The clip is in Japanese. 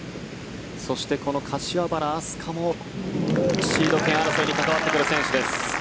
そして、この柏原明日架もシード権争いに関わってくる選手です。